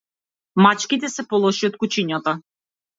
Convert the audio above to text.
Мачките се полоши од кучињата.